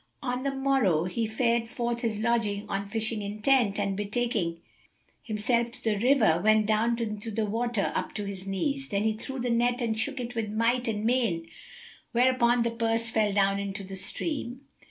On the morrow, he fared forth of his lodging on fishing intent and, betaking himself to the river, went down into the water, up to his knees. Then he threw the net and shook it with might and main; whereupon the purse fell down into the stream.